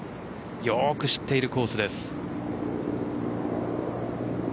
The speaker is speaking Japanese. よく知っているコースです。